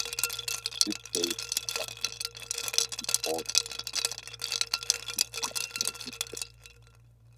In this case, my government will be forced to pursue its national interests.